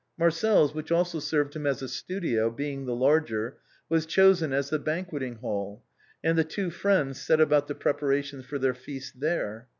Marcel's, which also served him as a studio, being the larger, was chosen as the banquetting hall, and the two friends set about the preparations for their feast there.